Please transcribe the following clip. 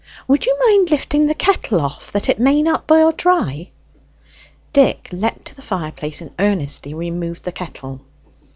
Would you mind lifting the kettle off, that it may not boil dry?" Dick leapt to the fireplace, and earnestly removed the kettle.